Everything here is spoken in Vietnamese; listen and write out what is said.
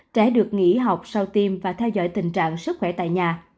trẻ được nghỉ học sau tiêm và theo dõi tình trạng sức khỏe tại nhà